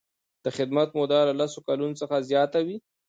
د خدمت موده له لس کلونو څخه زیاته وي.